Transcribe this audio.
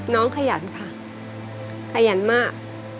ขยันค่ะขยันมาก